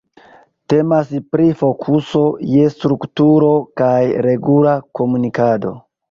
Temas pri fokuso je strukturo kaj regula komunikado.